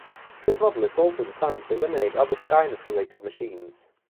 This model is also designed to eliminate other Skynet-related machines.